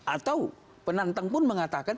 atau penantang pun mengatakan